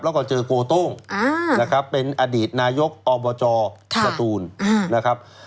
แล้วก็เจอโกโต้งนะครับเป็นอดีตนายกอบจสตูนนะครับ